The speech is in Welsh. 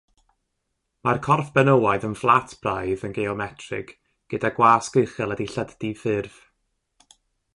Mae'r corff benywaidd yn fflat braidd yn geometrig, gyda gwasg uchel a dillad diffurf.